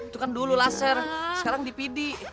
itu kan dulu laser sekarang di p d